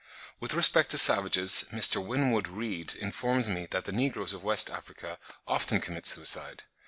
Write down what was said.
With respect to savages, Mr. Winwood Reade informs me that the negroes of West Africa often commit suicide.